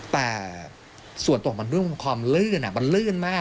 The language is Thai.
แต่ส่วนตัวมันความลื่นมันลื่นมาก